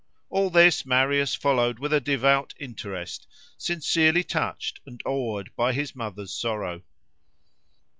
All this Marius followed with a devout interest, sincerely touched and awed by his mother's sorrow.